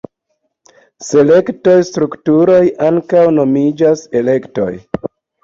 Selekto-strukturoj ankaŭ nomiĝas elektoj.